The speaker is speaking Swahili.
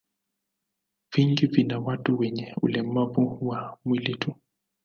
Vingi vina watu wenye ulemavu wa mwili tu.